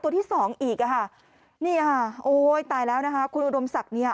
แล้วตัวที่สองอีกอ่ะฮะเนี่ยโอ้ยตายแล้วนะคะคุณอุดมศักดิ์เนี่ย